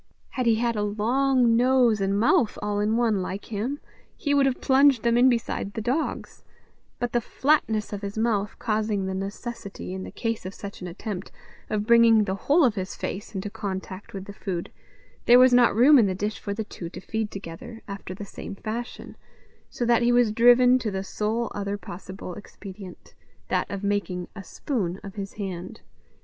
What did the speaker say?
Had he had a long nose and mouth all in one like him, he would have plunged them in beside the dog's; but the flatness of his mouth causing the necessity, in the case of such an attempt, of bringing the whole of his face into contact with the food, there was not room in the dish for the two to feed together after the same fashion, so that he was driven to the sole other possible expedient, that of making a spoon of his hand.